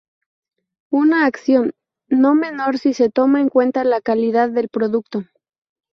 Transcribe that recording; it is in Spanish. Una acción no menor si se toma en cuenta la calidad del producto.